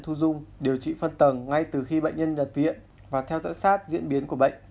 bệnh nhân thu dung điều trị phân tầng ngay từ khi bệnh nhân nhận viện và theo dõi sát diễn biến của bệnh